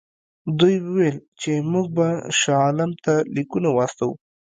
دوی وویل چې موږ به شاه عالم ته لیکونه واستوو.